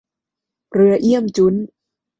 เรือเอี้ยมจุ๊น